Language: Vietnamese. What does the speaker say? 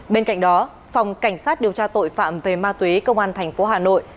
bên cạnh đó phòng cảnh sát điều tra tội phạm về ma túy cơ quan tp hà nội